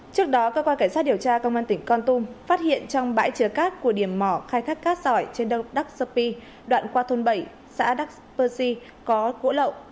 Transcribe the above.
trước đó cơ quan cảnh sát điều tra công an tỉnh con tum phát hiện trong bãi chứa cát của điểm mỏ khai thác cát sỏi trên đông duxbury đoạn qua thôn bảy xã duxbury có gỗ lậu